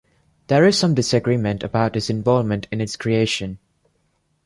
There is some disagreement about his involvement in its creation.